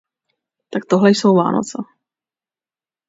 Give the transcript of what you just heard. Tak tohle jsou vánoce.